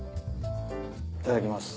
いただきます。